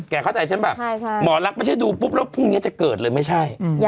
เข้าใจฉันป่ะหมอลักษณ์ไม่ใช่ดูปุ๊บแล้วพรุ่งนี้จะเกิดเลยไม่ใช่